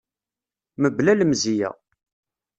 Mebla lemzeyya.